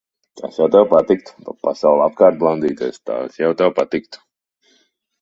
Tas jau tev patiktu. Pa pasauli apkārt blandīties, tas jau tev patiktu.